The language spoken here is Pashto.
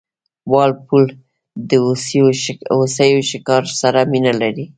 وال پول د هوسیو ښکار سره مینه لرله.